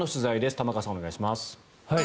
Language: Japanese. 玉川さん、お願いします。